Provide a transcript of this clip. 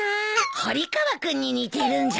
堀川君に似てるんじゃない？